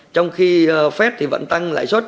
trong khi fed thì vẫn tăng lãi xuất